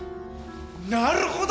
なるほど！